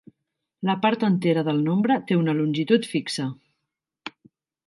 La part entera del nombre té una longitud fixa.